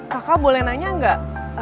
kakak boleh nanya gak